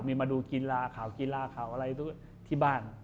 มีมาดูกีฬาข่าวกีฬาข่าวอะไรที่บ้าน